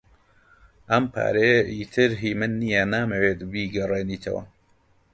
ئەم پارەیە ئیتر هی من نییە. نامەوێت بیگەڕێنیتەوە.